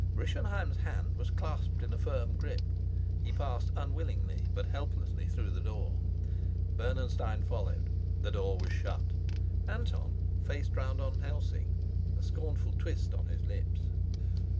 Rischenheim's hand was clasped in a firm grip; he passed unwillingly but helplessly through the door. Bernenstein followed; the door was shut. Anton faced round on Helsing, a scornful twist on his lips.